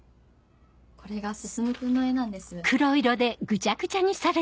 これが進君の絵なんです。